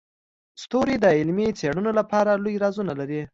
ستوري د علمي څیړنو لپاره لوی رازونه لري.